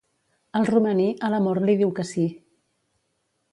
El romaní, a l'amor li diu que sí.